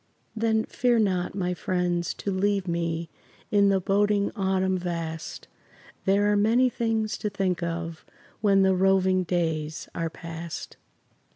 Then fear not, my friends, to leave me In the boding autumn vast; There are many things to think of When the roving days are past.